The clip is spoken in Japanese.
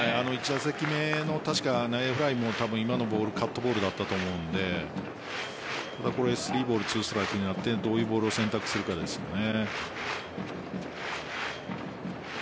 １打席目の内野フライもカットボールだったと思うので３ボール２ストライクになってどういうボールを選択するかですよね。